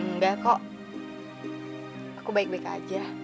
enggak kok aku baik baik aja